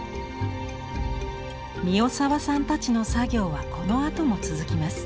三代沢さんたちの作業はこのあとも続きます。